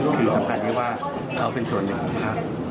คือสำคัญที่ว่าเขาเป็นส่วนหนึ่งของพัก